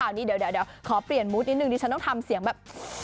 เดี๋ยวขอเปลี่ยนมุดนิดนึงดิฉันต้องทำเสียงแบบ